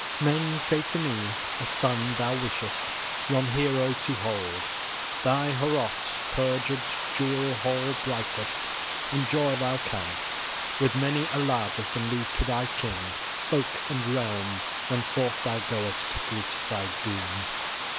Men say to me, as son thou wishest yon hero to hold. Thy Heorot purged, jewel hall brightest, enjoy while thou canst, with many a largess; and leave to thy kin folk and realm when forth thou goest to greet thy doom.